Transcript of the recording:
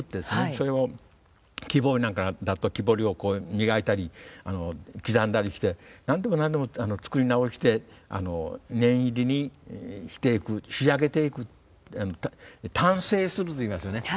それを木彫りなんかだと木彫りを磨いたり刻んだりして何度も何度も作り直して念入りにしていく仕上げていく丹精するといいますよね。